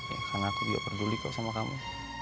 ya karena aku juga peduli kok sama kamu